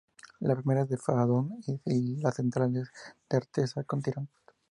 La primera es de faldón y la central es de artesa con tirantes.